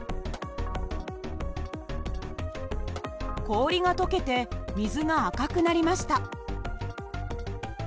氷が解けて水が赤くなりました。